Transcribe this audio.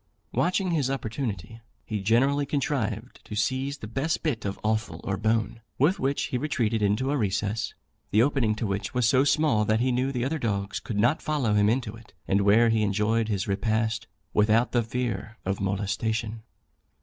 Watching his opportunity, he generally contrived to seize the best bit of offal or bone, with which he retreated into a recess, the opening to which was so small that he knew the other dogs could not follow him into it, and where he enjoyed his repast without the fear of molestation.